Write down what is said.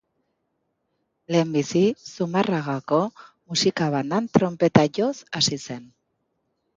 Lehenbizi Zumarragako Musika Bandan tronpeta joz hasi zen.